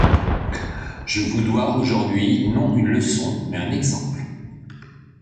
Je vous dois aujourd'hui non une leçon, mais un exemple.